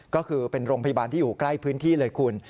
ก็คือเป็นโรงพยาบาลที่อยู่ใกล้พื้นที่เลยคุณ